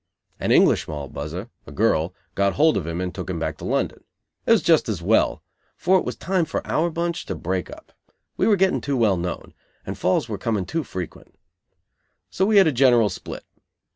An English Moll buzzer, a girl, got hold of him and took him back to London. It was just as well, for it was time for our bunch to break up. We were getting too well known; and falls were coming too frequent. So we had a general split.